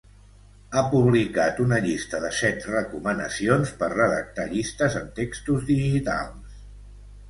Ha publicat una llista de set recomanacions per redactar llistes en textos digitals.